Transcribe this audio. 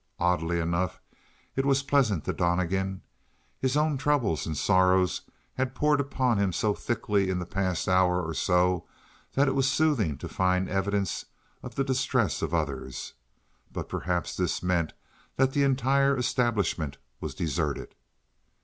Oddly enough, it was pleasant to Donnegan. His own troubles and sorrow had poured upon him so thickly in the past hour or so that it was soothing to find evidence of the distress of others. But perhaps this meant that the entire establishment was deserted.